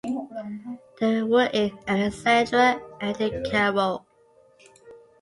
They were in Alexandria and in Cairo.